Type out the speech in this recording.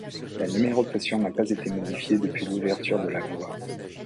La numérotation n'a pas été modifiée depuis l'ouverture de la voie.